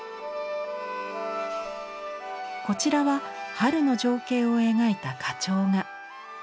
こちらは春の情景を描いた花鳥画。